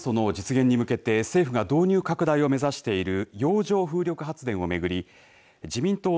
脱炭素の実現に向けて政府が導入拡大を目指している洋上風力発電を巡り